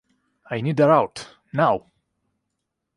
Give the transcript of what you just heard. I need her out, now!